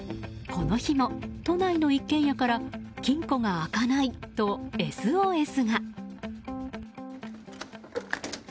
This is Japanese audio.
この日も、都内の一軒家から金庫が開かないとＳＯＳが。